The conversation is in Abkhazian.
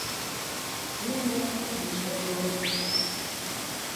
Сгәыӷра нҵәаӡом.